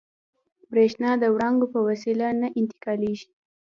برېښنا د وړانګو په وسیله نه انتقالېږي.